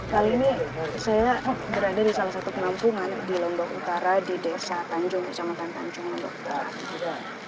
kali ini saya berada di salah satu penampungan di lombok utara di desa tanjung di kecamatan tanjung lombok utara